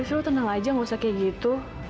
ya lo tenang aja gak usah kayak gitu